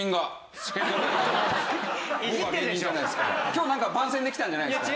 今日なんか番宣で来たんじゃないんですか？